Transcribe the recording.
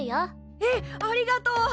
えっありがとう！